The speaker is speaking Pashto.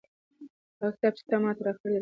هغه کتاب چې تا ماته راکړ ډېر ګټور و.